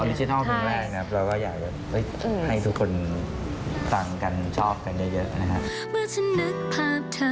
ออริจินัลเพราะอยากให้ทุกคนต่างกันชอบกันเยอะนะค่ะ